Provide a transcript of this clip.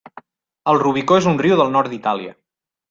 El Rubicó és un riu del nord d'Itàlia.